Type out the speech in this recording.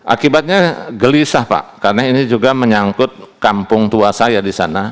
akibatnya gelisah pak karena ini juga menyangkut kampung tua saya di sana